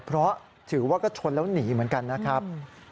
เพราะถือว่าก็ชนแล้วหนีเหมือนกันนะครับ